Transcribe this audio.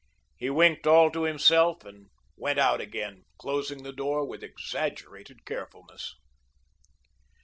He winked all to himself and went out again, closing the door with exaggerated carefulness.